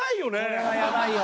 これはやばいよ。